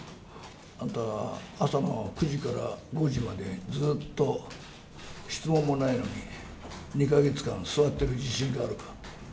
あんた、朝の９時から５時まで、ずっと質問もないのに、２か月間、座ってる自信があるか？